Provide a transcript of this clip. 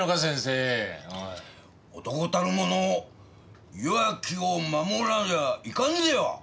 男たるもの弱きを守らにゃいかんぜよ！